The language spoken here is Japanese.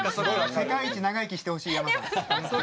世界一長生きしてほしいやまさん。